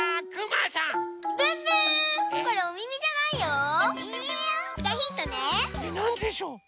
なんでしょう？